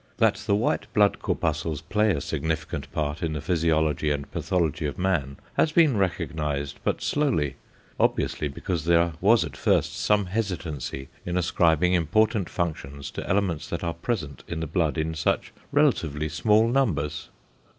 That the white corpuscles play a significant part in the physiology and pathology of man has been recognised but slowly, obviously because there was at first some hesitancy in ascribing important functions to elements that are present in the blood in such relatively small numbers.